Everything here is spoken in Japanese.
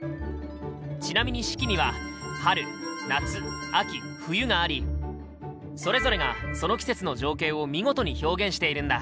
ちなみに「四季」には春夏秋冬がありそれぞれがその季節の情景を見事に表現しているんだ。